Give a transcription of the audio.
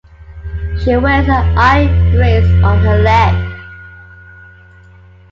She wears an iron brace on her leg.